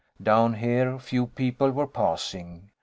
Down here few people were passing.